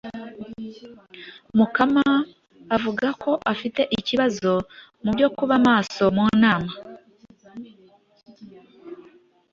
Mukama avuga ko afite ibibazo byo kuba maso mu nama.